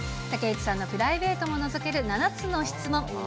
竹内さんのプライベートものぞける７つの質問。